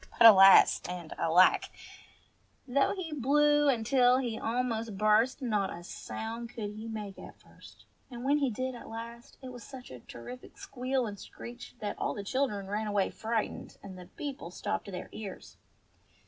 But, alas, and alack ! Though he blew till he almost burst, not a sound could he make at first, and when he did at last, it was such a terrific squeal and screech that all the children ran away frightened, and the people stopped their ears.